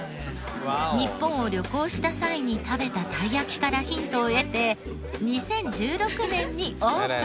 日本を旅行した際に食べたたい焼きからヒントを得て２０１６年にオープン。